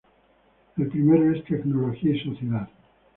El primero es tecnología y sociedad.